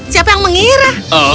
siapa yang mengira